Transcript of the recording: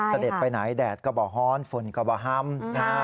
สะเด็ดไปไหนแดดกระบ่าวฮ้อนฝนกระบ่าวฮ่ำ